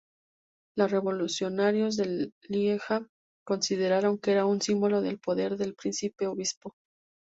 Los revolucionarios de Lieja consideraron que era un símbolo del poder del príncipe obispo.